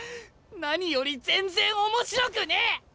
何より全然面白くねえ！